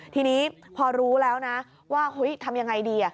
ทีนี้พอรู้แล้วนะว่าเฮ้ยทำยังไงดี